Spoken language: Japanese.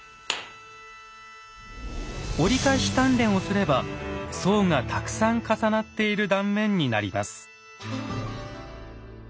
折り返し鍛錬をすれば層がたくさん重なっている断面になります。